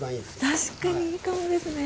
確かにいいかもですね。